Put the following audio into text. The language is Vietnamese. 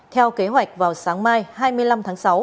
theo kế hoạch vào sáng mai hai mươi năm tháng sáu